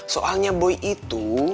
soalnya boy itu